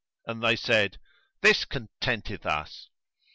And they said, "This contenteth us."